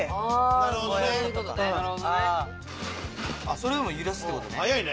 それでも揺らすってことね。